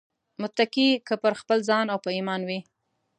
متکي که پر خپل ځان او په ايمان وي